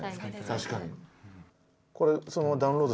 確かに。